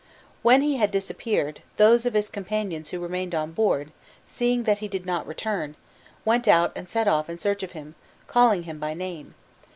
When he had disappeared, those of his companions who remained on board, seeing that he did not return, went out and set off in search of him, calling him by name.